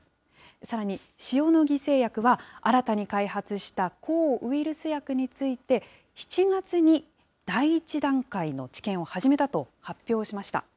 さらに塩野義製薬は新たに開発した抗ウイルス薬について、７月に第１段階の治験を始めたと発表しました。